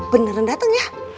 beneran dateng ya